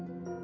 aku mau makan